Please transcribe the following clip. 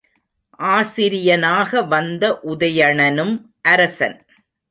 ஆசிரியனாக வந்த உதயணனும் அரசன்.